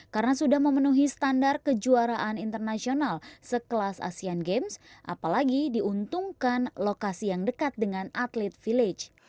karena sudah memenuhi standar kejuaraan internasional sekelas asian games apalagi diuntungkan lokasi yang dekat dengan atlet village